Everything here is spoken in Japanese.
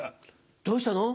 どうしたの？